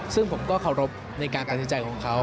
ซึ่งผมก็เคารพในการตัดสินใจของเขา